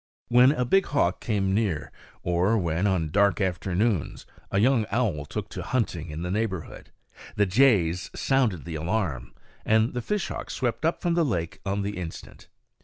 When a big hawk came near, or when, on dark afternoons, a young owl took to hunting in the neighborhood, the jays sounded the alarm, and the fishhawks swept up from the lake on the instant.